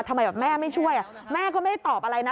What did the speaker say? ทำไมแบบแม่ไม่ช่วยแม่ก็ไม่ได้ตอบอะไรนะ